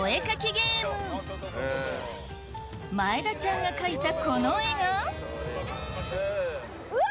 ゲーム前田ちゃんが描いたこの絵がうわ！